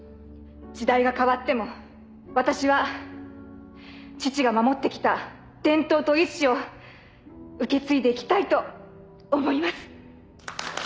時代が変わっても私は父が守ってきた伝統と遺志を受け継いでいきたいと思います。